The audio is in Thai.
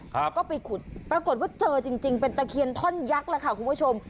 ครับก็ไปขุดปรากฏว่าเจอจริงจริงเป็นตะเคียนท่อนยักษ์แล้วค่ะคุณผู้ชม